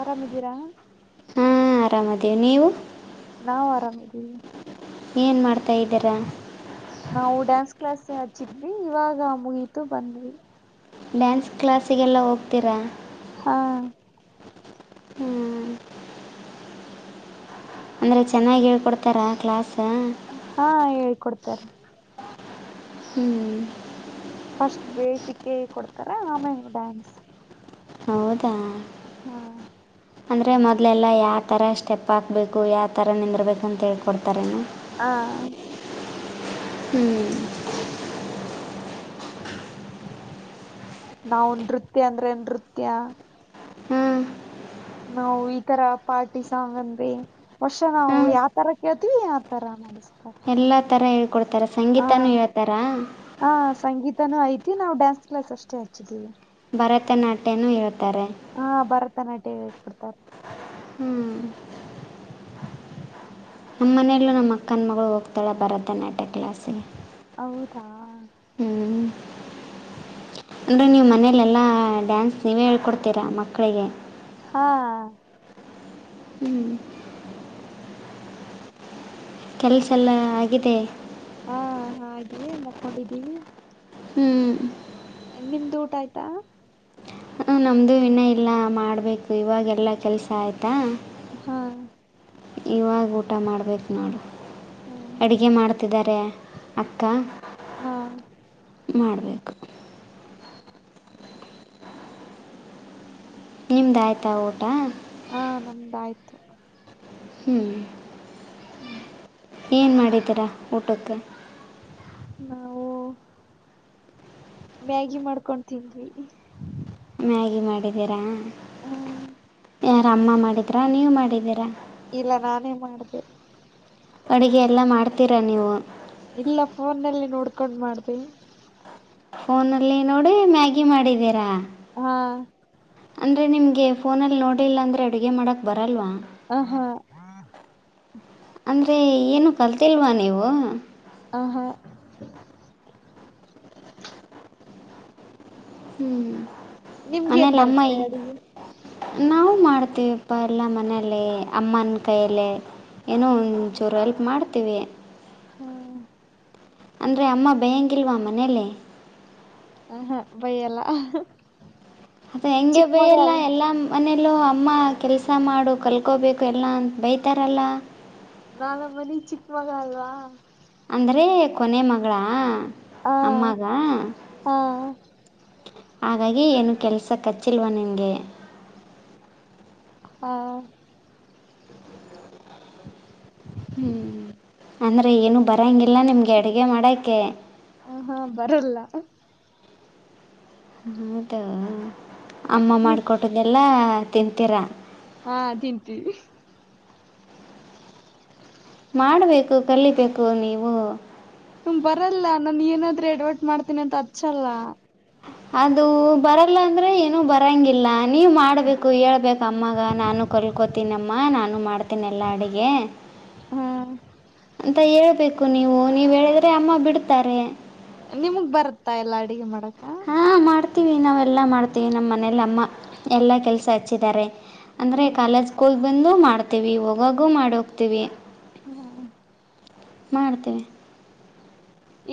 ಆರಾಮಿದ್ದೀರಾ ಹಾ ಆರಾಮದೇ ನೀವು ನಾವು ಆರಾಮ್ದೀ ಕೈದರಾ ನಾವು ಡ್ಯಾನ್ಸ್ ಕ್ಲಾಸ್ ಹಚ್ಚಿದ್ವಿ ಇವಾಗ ಮುಗೀತು ಬಂದ್ವಿ ಡ್ಯಾನ್ಸ್ ಕ್ಲಾಸಿಗೆಲ್ಲ ಹೋಗ್ತೀರಾ ಹಾ. ಹ್ಮ್. ಅಂದ್ರೆ ಚೆನ್ನಾಗಿ ಹೇಳ್ಕೊಡ್ತಾರ ಕ್ಲಾಸ್. ಹಾ ಹೇಳ್ಕೊಡ್ತಾರೇ ಹ್ಮ್. ಫಸ್ಟ್ ಬೇಸಿಕ ಕೊಡ್ತಾರೆ ಆಮೇಲ ಡ್ಯಾನ್ಸ್. ಹೌದಾ ಹಾ ಅಂದ್ರೆ ಮೊದ್ಲ. ಎಲ್ಲಾ ಯಾವ ತಥ ಸ್ಟೆಪ್ ಹಾಕ್ಬೇಕು ಯಾವ ತರ ನಿಂದರಬೇಕುಂತ ಹೇಳ್ಕೊಡ್ತಾರೆ. ಹಾ. ಹ್ಮ್. ನಾವು ನೃತ್ಯ ಅಂದ್ರೆ ನೃತ್ಯ. ಹಾಂ ನಾವು ಈತರ ಪಾರ್ಟಿ ಸಾಂಗ್ ಅಂದ್ವಿ ವರ್ಷ ನಾವು ಹಾಂ ಯಾವತರ ಕೇಳ್ತೀವಿ ಆತರ ನಾವ್. ಎಲ್ಲ ಥರ ಹೇಳ್ಕೊಡ್ತಾರೆ ಸಂಗೀತಾನೂ ಹೇಳ್ತಾರ. ಸಂಗೀತ ನು ಐತಿ ನಾವು ಡ್ಯಾನ್ಸ್ ಕ್ಲಾಸ್ ಅಷ್ಟೇ ಹಚ್ಚಿದೀವಿ. ಭರತನಾಟ್ಯನುೂ ಹೇಳ್ತಾ. ಹಾ ಭರತನಾಟ್ಯ ಹೇಳು ಕೊಡ್ತಾರೆ. ಹೂ ನಮ್ಮ ಮನೆಯಲ್ಲೂ ನಮ್ಮ ಅಕ್ಕನ ಮಗಳು ಹೋಗ್ತಾಳೆ ಭರತನಾಟ್ಯ ಕ್ಲಾಸಿಗೆ. ಹೌದಾ. ಅಂದ್ರೆ ನೀವು ಮನೇಲೆಲ್ಲಾ ಡ್ಯಾನ್ಸ್ ನೀವೇ ಹೇಳ್ಕೊಡ್ತೀರಾ ಮಕ್ಕಳಿಗೆ. ಹಾ. ಹ್ಮ್. ಕೆಲ್ಸ ಎಲ್ಲ ಆಗಿದೆ ಹಾ ಹಾಗಿದೆ ಮುಕ್ಕೊಂಡಿದ್ದೀವಿ ಹ್ಮ್ ನಿಮ್ದು ಊಟ ಆಯ್ತಾ ಹ ನಮ್ದು ಇನ್ನ ಇಲ್ಲಾ ಮಾಡ್ಬೇಕು ಇವಾಗ ಎಲ್ಲಾ ಕೆಲ್ಸ ಆಯ್ತಾ ಹ್ಮ ಇವಾಗ ಊಟ ಮಾಡ್ಬೇಕು ನೋಡು ಹ್ಮ್ ಅಡುಗೆ ಮಾಡ್ತಿದ್ದಾರೆ ಅಕ್ಕಾ ಹಾ ಮಾಡ್ಬೇಕು ನಿಮ್ದ ಆಯ್ತಾ ಊಟ ಹಾ ನಮ್ದ ಆಯ್ತು ಹ್ಮ್ ಹ್ಮ್ ಏನು ಮಾಡಿದ್ದೀರಾ ಊಟಕ್ಕೆ ನಾವು ಮ್ಯಾಗಿ ಮಾಡ್ಕೊತಿಂದ್ವಿ ಮ್ಯಾಗಿ ಮಾಡಿದ್ದೀರಾ ಹ್ಮ್ ಯಾರ ಅಮ್ಮ ಮಾಡಿಡ್ರ ನೀವು ಮಾಡಿದ್ದೀರಾ ಇಲ್ಲ ನಾನೇ ಮಾಡದೆ ಅಡುಗೆ ಎಲ್ಲ ಮಾಡ್ತೀರಾ ನೀವು ಇಲ್ಲ ಫೋನ್ನಲ್ಲಿ ನೋಡ್ಕೊಂಡ್ ಮಾಡ್ದ ಫೋನಲ್ಲಿ ನೋಡಿ ಮ್ಯಾಗಿ ಮಾಡಿದೀರಾ ಹ್ಮ ಅಂದ್ರೆ ನಿಮ್ಗೆ ಫೋನಲ್ಲಿ ನೋಡಿಲ್ಲ ಅಂದ್ರೆ ಅಡುಗೆ ಮಾಡಕ್ ಬರ ಅಲ್ವಾ ಹ ಹಾ ಅಂದ್ರೆ. ಏನು ಕಲ್ತಿಲ್ವಾ ನೀವು. ಆ ಹಾ. ಹ್ಮ್ ನಿಮ್ಗೇನ್ ಮನೇಲ್ಲ ಅಮ್ಮಾ ಬರುತ್ತೆ ಅಡಿಗೆ ನಾವು ಮಾಡ್ತೇವೆ. ಅಪ್ಪ ಎಲ್ಲ ಮನಲಿ ಅಮ್ಮನ ಕೈಯಲ್ಲಿ ಏನೋ ಒಂಚೂರು ಹೆಲ್ಪ್ ಮಾಡ್ತೀವಿ. ಹ್ಮ್. ಅಂದರೆ ಅಮ್ಮ ಬೇಯಂಗಿಲ್ವಾ ಮನೇಲಿ. ಹ ಹಾ ಬೈಯಲ್ಲ. ಅದ ಹೆಂಗೆ ಚಿಕ್ಕ ಬಯಲ್ಲ ಮಗಳಲ್ಲ ಎಲ್ಲಾ. ಮನೇಲ್ಲೂ ಅಮ್ಮ ಕೆಲಸ ಮಾಡು ಕಲ್ಕೋಬೇಕು ಎಲ್ಲ ಅಂತ ಬೈತಾರಲ್ಲ. ನಾಳ ಮನೆ ಚಿಕ್ಕ ಮಗ ಅಲ್ವಾ. ಅಂದ್ರೆ ಕೊನೆ ಮಗಳ. ಹ ಅಮ್ಮಾಗಾ. ಹಾ ಹಾಗಾಗಿ ಏನು ಕೆಲ್ಸ ಕಚ್ಚಿಲ್ವ ನಿಂಗೆ. ಹಾ. ಹ್ಮ್ ಅಂದ್ರೆ ಏನು ಬರಂಗಿಲ್ಲ ನಿಮ್ಗೆ ಅಡ್ಗೆ ಮಾಡಕೆ. ಹ ಹಾ ಬರಲ್ಲ. ಹೌದ ಅಮ್ಮ ನೀ ಮಾಡ್ಕೊಟ್ಟ್ದ ಎಲ್ಲಾ ತಿಂತೀರ. ಹಾ ತಿಂತೀವಿ. ಮಾಡಬೇಕು ಕಲಿಬೇಕು ನೀವು. ಹ್ಮ ಬರಲ್ಲ ನಾನು ಏನಾದ್ರೂ ಎಡವಟ್ ಮಾಡ್ತೀನಿ ಅಂತ ಹೆಚ್ಚಲ್ಲಾ. ಅದು ಬರಲ್ಲ ಅಂದ್ರೆ ಏನುೂ ಬರಂಗಿಲ್ಲ ನೀವ್ ಮಾಡ್ಬೇಕು ಹೇಳ್ಬೇಕು ಅಮ್ಮಗ ನಾನು ಕಲ್ಕೋತೀನಿಮ್ಮ ಅಮ್ಮಾ ನಾನು ಮಾಡ್ತೇನೆ ಎಲ್ಲಾ ಅಡಗೆ ಹಾ ಅಂತ ಹೇಬೇಕು. ಕೂ ನೀವು ನೀವ್ ಹೇಳಿದ್ರೆ ಅಮ್ಮ ಬಿಡತ್ತಾರೆ. ನಿಮಗ್ ಬರುತ್ತಾ ಎಲ್ಲಾ ಅಡುಗೆ ಮಾಡಕ್ ಹಾ ಮಾಡ್ತೀವಿ ನಾವೆಲ್ಲಾ ಮಾಡ್ತೀವಿ ನಮ್ಮ ಮನಲಿ ಅಮ್ಮ ಎಲ್ಲಾ ಕೆಲ್ಸ ಹಚ್ಚಿದ್ದಾರೆ. ಹಾ ಅಂದ್ರೆ ಕಾಲೇಜ್ ಕೂಲ್ ಬಂದು ಮಾಡ್ತೀವಿ ಹೋಗಾಗು ಮಾಡ ಹೋಗ್ತಿವಿ. ಮಾಡತವಿ.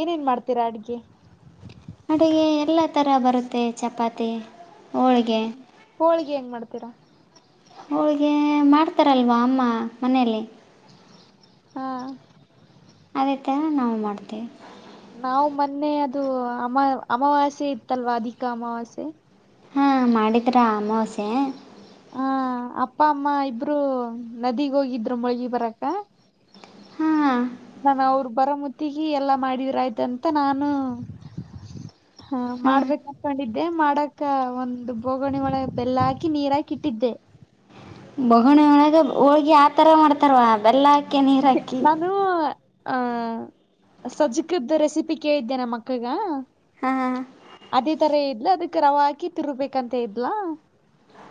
ಏನೇನ್ ಮಾಡ್ತೀರಾ ಅಡ್ಗೆ. ಅಡುಗೆ ಎಲ್ಲ ಥರ ಬರುತ್ತೆ ಚಪಾತಿ. ಹೋಳ್ಗೆ ಹೋಳಿಗೆ ಹೆಂಗ್ ಮಾಡ್ತೀರಾ. ಹೋಳಿಗೆ ಮಾಡ್ತಾರಲ್ವಾ ಅಮ್ಮ ಮನೇಲಿ. ಹಾ. ಅದೇ ಥರ ನಾವು ಮಾಡ್ತೀವಿ. ನಾವು ಮೊನ್ನೆ ಅದು ಅಮ ಅಮವಾಸೆ ಇತ್ತಲ್ವಾ ಅಧಿಕ ಅಮಾವಾಸೆ. ಹಾಂ ಮಾಡಿದರಾ ಅಮಾವಾಸ್ಯೆ. ಹಾ ಅಪ್ಪ ಅಮ್ಮ ಇಬ್ರು ನದಿಗ್ ಹೋಗಿದ್ರು ಮುಳಗಿ ಬರಾಕ್ಕ. ಹಾ. ನಾನ ಅವ್ರ ಬರೋ ಮುತ್ತಿಗೆ ಎಲ್ಲಾ ಮಾಡಿದ್ರ ಆಯ್ತಂತ ನಾನು. ಹಾ ಹ್ಞೂ ಮಾಡ್ಬೇಕ ಅಕೊಂಡಿದ್ದೆ ಮಾಡಕ ಒಂದು ಬೋಗಣಿ ಒಳೆ ಬೆಲ್ಲ ಹಾಕಿ ನೀರಾಕಿ ಇಟ್ಟಿದ್ದೆ. [inaudible] ಬಹುಣಿಯ ಒಳಗೆ ಹೋಗಿ ಆತರ ಮಾಡ್ತಾರ ಬೆಲ್ಲಾಕಿ. ನಾನು. ಆಹ ಸಜ್ಕದ್ದ ರೆಸಿಪಿ ಕೇಳಿದ್ದೆ ನಮ್ಮ ಅಕ್ಕಗ. ಹಾಂ ಅದೇ ತರ ಇದ್ಲ ಅದಕ್ ರವಾ ಹಾಕಿ ತಿರುಬೇಕಂತ ಇದ್ಲ.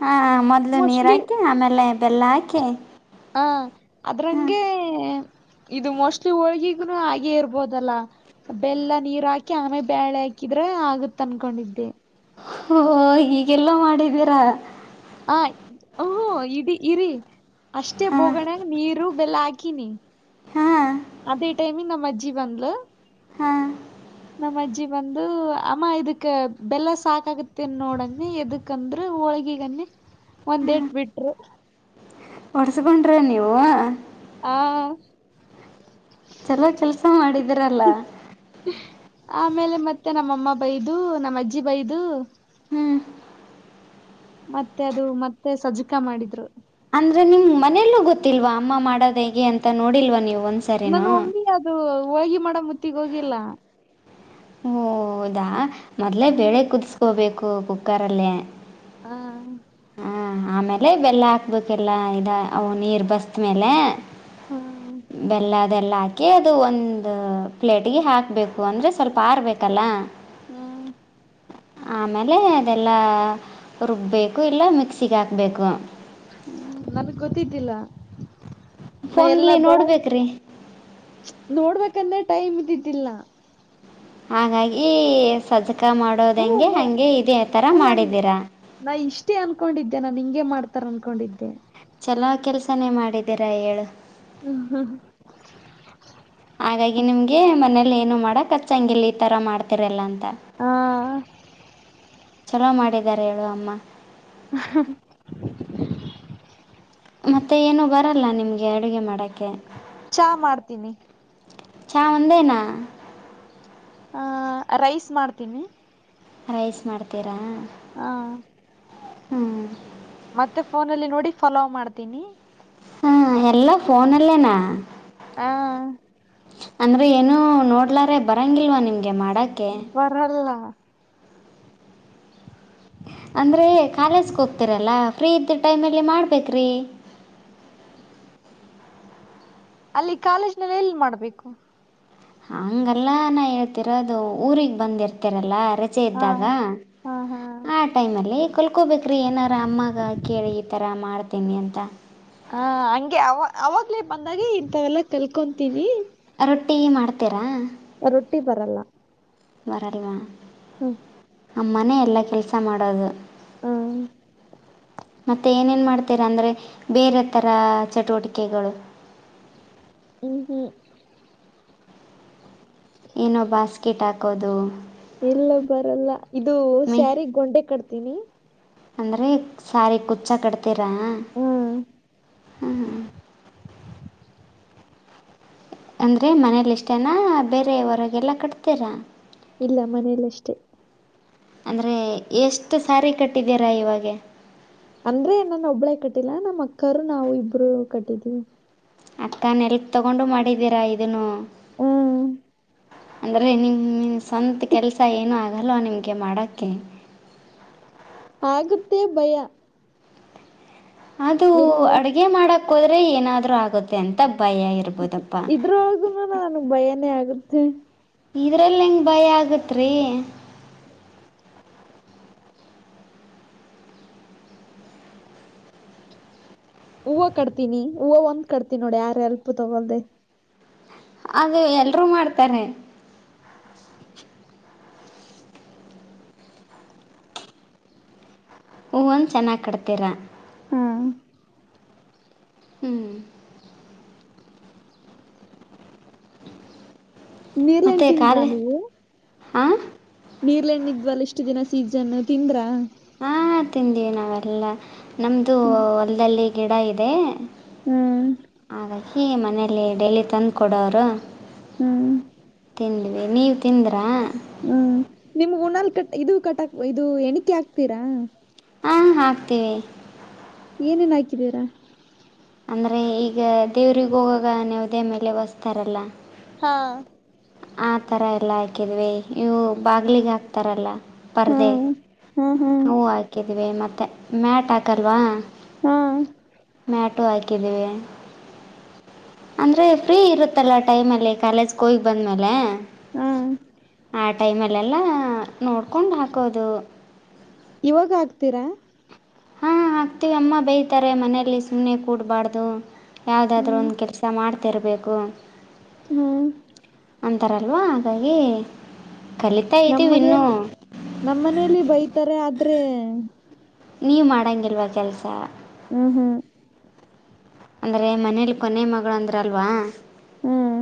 ಹಾ ಮೊದ್ಲು ನೀರ್ ಹಾಕಿ ಆಮೇಲೆ ಬೆಲ್ಲ ಹಾಕಿ. ಅದ್ರ ಹಾಂ ಹಂಗೆ. ಇದು ಮೋಸ್ಟ್ಲಿ ಹೋಳ್ಗಿಗನು ಹಾಗೆ ಇರ್ಬೋದಲ್ಲ ಬೆಲ್ಲ ನೀರು ಹಾಕಿ ಆಮೇ ಬಾೇಳೆ ಹಾಕಿ. ಆದ್ರೆ ಆಗತ್ ಅನ್ಕೊಂಡಿದ್ದೆ. ಓಹೋ ಈಗೆಲ್ಲ ಮಾಡಿದ್ದೀರಾ. ಹ ಹ ಇಡೀ ಇರಿ ಅಷ್ಟೇ ಹಾಂ ಬೋಗೋಣ ನೀರು ಬೆಲ್ಲ ಆಗಿ. ಇಕ್ಕಿನಿ ಹಾಂ ಅದೇ ಟೈಮಗ ನಮ್ಮ ಅಜ್ಜಿ ಬಂದ್ಲು. ಹಾ. ನಮ್ಮ ಅಜ್ಜಿ ಬಂದು ಅಮ್ಮ ಇದಕ್ ಬೆಲ್ಲ ಸಾಕಾಗತ್ತೆನ್ ನೋಡಂಗಿ ಎದಕಂದ್ರೆ ಹೋಳಿ ಗೀಗೆ ಅನ್ನಿ ಒಂದ ಎಟ ಬಿಟ್ರು. ಒಡ್ಸ್ಕೊಂಡ್ರಿ ನೀವು. ಹಾ. ಇದರಲ್ಲ. ಆಮೇಲೆ ಮತ್ತೆ ನಮ್ಮ ಅಮ್ಮ ಬೈದು ನಮ್ಮ್ ಅಜ್ಜಿ ಬೈದು. ಹ್ಮ್. ಮತ್ತೆ ಅದು ಮತ್ತೆ ಸಜ್ಜಿಕಾ ಮಾಡಿದ್ರು. ಅಂದ್ರೆ ನಿಮಗೆ ಮನೆಯಲ್ಲೂ ಗೊತ್ತಿಲ್ವಾ ಅಮ್ಮ ಮಾಡೋದ್ ಹೇಗೆ ಅಂತ ನೋಡಿಲ್ವಾ ನೀವು ನನ್ ಒಂದ್ಸರಿನೂ ಒಮ್ಮಿ ಅದು ಹೋಳ್ಗಿ ಮಾಡೊ ಮುತ್ತಿಗೆ ಹೋಗಿಲ್ಲ. ಹೊದಾ ಮೊದ್ಲೇ ಹ್ಮ್ ಬೆೇಳೆ ಕುದಿಸಕೋಬೇಕು ಕುಕ್ಕರ್ ಅಲ್ಲೇ ಹಾ ಆಮೇಲೆ ಬೆಲ್ಲ ಹಾಕ್ಬೇಕೆಲ್ಲಾ ಆದ ಅ ನೀರ್ ಬಸ್ತ್ ಮೇಲೆ ಹ್ಮ ಬೆಲ್ಲ ಅದೆಲ್ಲ ಹಾಕಿ ಅದು ಒಂದು ಪ್ಲೇಟ್ ಗೆ ಹಾಕ್ಬೇಕು ಅಂದ್ರೆ ಸ್ವಲ್ಪ ಆರಬೇಕಲ್ಲ ಹ್ಮ್ ಆಮೇಲೆ ಅದೆಲ್ಲ ರುಬ್ಬೇಕು ಇಲ್ಲ ಮಿಕ್ಸಿಗೆ ಹಾಕ್ಬೇಕು ಹ್ಮ್ ನನ್ಗ್ ಗೊತ್ತಿದ್ದಿಲ್ಲ ನಾ ಎಲ್ಲ ಫೋನಲ್ಲಿ [unintelligible] ನೋಡ್ಬೇಕ್ರಿ ನೋಡ್ಬೇಕು ಟೈಮ್ ಇದ್ದಿದ್ದಿಲ್ಲ ಹಾಗಾಗಿ ಸಜಾಗ ಗ ಮಾಡೋದಂಗೆ ಹ್ಮ ಹಂಗೆ ಇದೇ ತರ ಅಲ್ಲ ಮಾಡಿದ್ದೀರಾ. ನಾ ಇಷ್ಟೇ ಅನ್ಕೊಂಡಿದ್ದೆ ನಾನ್ ಹಿಂಗೆ ಮಾಡ್ತಾರೆ ಅನ್ಕೊಂಡಿದ್ದೆ. ಚಲೋ ಕೆಲಸನೇ ಮಾಡಿದ್ದೀರಾ ಹೇಳಿ ಹ್ಮ್ ಹ್ಮ್ ಹಾಗಾಗಿ ನಿಮಗೆ ಮನೆ ಲ್ಲ ಏನು ಮಾಡಕ್ ಅಚ್ಚಂಗಿಲ್ಲ ಈ ತರ ಮಾಡ್ತಿರಲ್ಲ ಅಂತ. ಆ ಚಲೋ ಮಾಡಿದ್ದಾರೆ ಹೇಳು ಅಮ್ಮ ಹ ಹ ಮತ್ತೆ ಏನು ಬರಲ್ಲ ನಿಮಗೆ ಅಡುಗೆ ಮಾಡಕ್ಕೆ ಚಾ ಮಾಡ್ತೀನಿ. ಚಾ ಒಂದೇನಾ ಹ ರೈಸ್ ಮಾಡ್ತೀನಿ ರೈಸ್ ಮಾಡ್ತೀರಾ? ಹಾ ಹ್ಮ್ ಮತ್ತೆ ಪೋನಲ್ಲಿ ನೋಡಿ ಪಾಲವ್ ಮಾಡ್ತೀನಿ. ಹಾ ಎಲ್ಲಾ ಪೋನಲ್ಲೆನಾ ಹಾ. ಅಂದ್ರೆ ಏನು ನೋಡ್ಲಾರೆ ಬರಂಗಿಲ್ವಾ ನಿಮಗೆ ಮಾಡ್ ಬರಲ್ಲ ಅಂದ್ರೆ ಕಾಲೇಜ್ಗೆ ಹೋಗ್ತೀರಲ್ಲ ಫ್ರೀ ಇದ್ದ ಟೈಮಲ್ಲಿ ಮಾಡ್ಬೇಕ್ರಿ. [unintelligible] ಅಲ್ಲಿ ಕಾಲೇಜ್ ನಲ್ಲಿ ಎಲ್ಲಿ ಮಾಡ್ಬೇಕು. ಹಂಗಲ್ಲ ನಾ ಹೇಳ್ತಿರೋದು ಊರಿಗ್ ಬಂದಿರ್ತರಲ್ಲ. ರಜೆ ಹಾ ಇದ್ದಾಗ. ಹಾ ಹಾ ಆ ಟೈಮ್ ಅಲ್ಲಿ ಕಲ್ಕೋಬೇಕ್ರಿ ಏನಾರ ಅಮ್ಮಾಗ ಕೇಳಿ ಈತರ ಮಾಡ್ತೀನಿ ಅಂತ. ಹಾ ಹಂಗೆ ಅವ ಅವಾಗ್ಲೇ ಬಂದಾಗ ಇಂಥವೆಲ್ಲಾ ತಿಲ್ಕೊಂತೀವಿ ರೊಟ್ಟಿ ಮಾಡ್ತೀರಾ? ರೊಟ್ಟಿ ಬರಲ್ಲಾ. ಬರಲ್ವಾ ಹ್ಮ ಅಮ್ಮನೇ ಎಲ್ಲ ಕೆಲಸ ಮಾಡೋದು. ಹ್ಮ್ ಮತ್ತೆ ಏನೇನ್ ಮಾಡ್ತೀರಾ ಅಂದ್ರೆ ಬೇರೆ ತರ ಚಟುವಟಿಕೆಗಳು. ಹೂ ಹೂ ಇನ್ನ ಬಾಸ್ಕೆಟ್ ಹಾಕೋದು ಇಲ್ಲ ಬರಲ್ಲ ಇದು ಸ್ಯಾರಿ ಗೊಂಡೆ ಕಟ್ತೀನಿ ಅಂದ್ರೆ ಸಾರಿ ಕುಚ್ಚ ಕಟ್ತೀರಾ ಹ್ಮ್ ಹ್ಮ ಅಂದ್ರರೆ ಮನೇಲಿ ಇಷ್ಟೇನಾ ಬೇರೆ ಹೊರಗೆಲ್ಲ ಕಟ್ತೀರಾ ಇಲ್ಲ ಮನೇಲ್ಲಷ್ಟೇ ಅಂದ್ರೆ ಎಷ್ಟು ಸಾರಿ ಕಟ್ಟಿದೀರಾ ಇವಾಗ ಅಂದ್ರೆ ಏನಾನ ಒಬ್ಳೇ ಕಟ್ಟಿಲ್ಲ ನಮ್ಮ್ ಅಕ್ಕರು ನಾವವು ಇಬ್ರು ಕಟ್ಟಿದೀವಿ ಅಕ್ಕ ನೆಲ್ಗ್ ತಗೊಂಡು ಮಾಡಿದ್ದೀರಾ ಇದನ್ನು ಹ್ಮ್ ಅಂದ್ರೆ ನಿಮನ್ ಸ್ವಂತ ಕೆಲಸ ಏನುೂ ಆಗಲ್ಲ ನಿಮಗೆ ಮಾಡೋಕ್ಕೆ ಆಗುತ್ತೇ ಭಯ ಅದು ಎಲ್ಲಿ ಅಡಗೆ ಮಾಡಕ್ ಹೋದ್ರೆ ಏನಾದ್ರೂ ಆಗುತ್ತೆ ಅಂತ ಭಯ ಇರ್ಬೋದಪ್ಪ ಇದ್ರಗ ನನಗ್ ಭಯನೇ ಆಗರ್ತ್ತೆ ಇದರಲ್ಲಿ ಹೆಂಗೆ ಭಯ ಆಗತ್ ರೀ ಹೂವು ಕಡ್ತೀನಿ ಹೂವು ಒಂದ್ ಕಡ್ತೀನಿ ನೋಡಿ ಯಾರ ಎಲ್ಪ್ು ತಗೊಲ್ದೆ ಹಾಗೆ ಎಲ್ರೂ ಮಾಡ್ತಾರೆ ಹೂವಂದ ಚೆನ್ನಾಗಿ್ ಕಟ್ತೀರ ಹಾ ಹ್ಮ್ ನೀರ್ಏನ್ ಮತ್ತು ತಿಂದ್ರಾ ಕಾಲು ನೀವು ಹಾಂ ನೀರ್ಳ ಎಣ್ಣಿದ್ವಲ್ಲ ಇಷ್ಟು ದಿನ ಸೀಸನ್ ತಿಂದ್ರಾ ಹಾ ತಿಂದೀವಿ ನಾವೆಲ್ಲಾ ನಮ್ದು ಹೊಲದಲ್ಲಿ ಗಿಡ ಇದೆ ಹ್ಮ್ ಹಾಗಾಗಿ ಮನೇಲಿ ಡೈಲಿ ತಂದು ಕೊಡೋರು ಹ್ಮ್ ತಿಿಂದವಿ ನೀವು ತಿಂದ್ರಾ ನಿಮ್ ಉಊಣಲ್ ಕಟ್ ಇದು ಕಟಕ್ ಇದು ಎಣಿಕೆ ಆಕ್ತೀರಾ ಹಾಂ ಹಾಕ್ತೀವಿ ಏನೇನ್ ಹಾಕಿದೀರಾ ಅಂದ್ರರೆ ಈಗ ದೇವ್ರರಿಗೆ ಹೋಗಾಗ ನೆವುದೇ ಮೇಲೆ ಸ್ತಾರಲ್ಲ ಹಾ ಆ ತರ ಎಲ್ಲಾ ಹಾಕಿದ್ವಿ ಇವು ಬಾಗ್ಲಿಗೆ ಹಾಕ್ತಾರಲ್ಲ ಪರ್ದೆ ಹ್ಮ್ ಹ್ಮ್ ಹ್ಮ್ ಹವು ಹಾಕಿದೀವಿ ಮತ್ತೆ ಮ್ಯಾಟ್ ಹಾಕಲ್ವಾ ಹ್ಮ್ ಮ್ಯಾಟು ಆಯಕದವೆ ಅಂದ್ರೆ ಫ್ರೀ ಇರುತ್ತಲ್ಲ ಟೈಮ್ ಅಲ್ಲಿ ಕಾಲೇಜ್ಗೆ ಹೋಗಿ ಬಂದ್ಮೇಲೆ ಹ್ಮ್ ಆ ಟೈಮ್ಲ್ಲೆಲ್ಲ ನೋಡ್ಕೊಂಡ್ ಹಾಕೋದು ಇವಾಗ ಹಾಕ್ತೀರಾ ಹಾ ಹಾಕ್ತೀವಿ ಅಮ್ಮ ಬೇಯತಾರೆ ಮನೇಲಿ ಸುಮ್ನೆ ಕೂಡ್ಬಾರ್ದು ಯಾವುದಾದ್ೂ ಒಂದು ಕೆಲಸ ಮಾಡ್ತಿರಬೇಕು ಹಾ ಅಂತಾರಲ್ವಾ ಹಾಗಾಗಿ ಕಲಿತಾ ಇದ್ದೀವಿ ಇನ್ನೂ ನಮ್ಮನೆಯಲ್ಲಿ ನಮ್ಮನೇಲಿ ಬೈತಾರೆ ಆದ್ರೆ ನೀವು ಮಾಡೋಂಗಿಲ್ವಾ ಕೆಲಸ ಹ್ಮ್ ಹ್ಮ್ ಅಂದ್ರೆ ಮನೇಲಿ ಕೊನೆಯ ಮಗಳು ಅಂದ್ರ ಅಲ್ವಾ ಹ್ಮ್